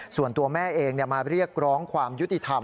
ส่วนตัวแม่เองมาเรียกร้องความยุติธรรม